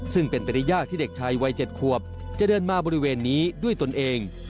ซึ่งเป็นไปได้ยากที่เด็กชายวัย๗ขวบจะเดินมาบริเวณนี้ด้วยตนเอง